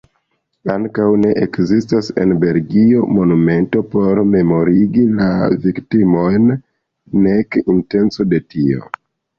Ankaŭ ne ekzistas en Belgio monumento por memorigi la viktimojn, nek intenco de tio.